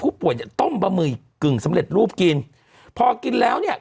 ป่วยเนี่ยต้มบะหมี่กึ่งสำเร็จรูปกินพอกินแล้วเนี่ย